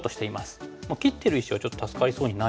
切ってる石はちょっと助かりそうにないですよね。